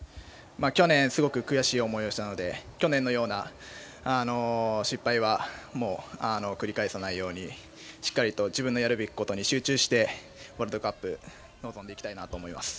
去年すごく悔しい思いをしたので去年のような失敗はもう、繰り返さないようにしっかりと自分のやるべきことに集中してワールドカップ臨んでいきたいなと思います。